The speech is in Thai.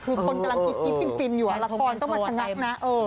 คือคนกำลังกรี๊ดฟินอยู่ละครต้องมาชะงักนะ